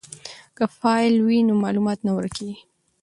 که فایل وي نو معلومات نه ورکیږي.